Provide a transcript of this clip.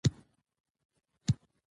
اداري واک باید معقول وکارول شي.